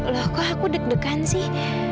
loh kok aku deg degan sih